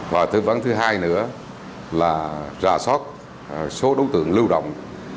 và thư vấn thứ hai nữa là rà sót số đối tượng lưu động